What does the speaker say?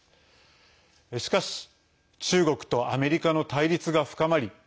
しかし、中国とアメリカの対立が深まり